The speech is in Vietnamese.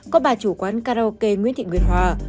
có bà chủ quán karaoke nguyễn thị nguyệt hòa